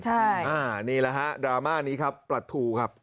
ใช่นี่แหละฮะดราม่านี้ครับปลาทูครับ